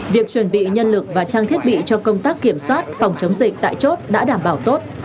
việc chuẩn bị nhân lực và trang thiết bị cho công tác kiểm soát phòng chống dịch tại chốt đã đảm bảo tốt